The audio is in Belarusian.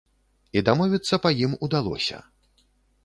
І дамовіцца па ім удалося.